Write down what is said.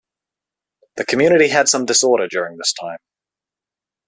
The community had some disorder during this time.